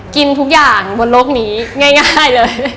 กินทุกอย่างบนโลกนี้ง่ายเลย